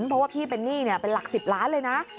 เพราะว่าพี่เป็นหนี้เป็นหลัก๑๐ล้านเลยนะ